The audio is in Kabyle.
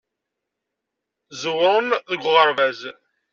Ẓewren deg uɣerbaz.